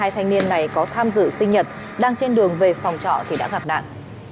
hai thanh niên này có tham dự sinh nhật đang trên đường về phòng trọ thì đã gặp nạn